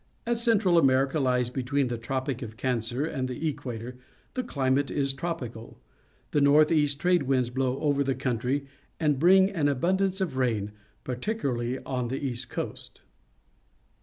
As Central America hes between the Tropic of Cancer and the equator, the climate is tropical. The north east trade winds blow over the country and bring an abundance of rain, particularly on the east coast.